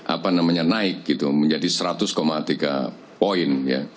apa namanya naik gitu menjadi seratus tiga poin ya